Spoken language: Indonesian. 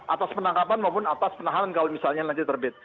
atas penangkapan maupun atas penahanan kalau misalnya nanti terbit